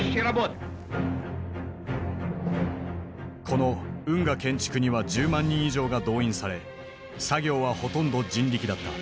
この運河建築には１０万人以上が動員され作業はほとんど人力だった。